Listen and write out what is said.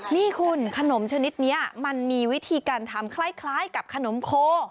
นี่คุณขนมชนิดนี้มันมีวิธีการทำคล้ายกับขนมโค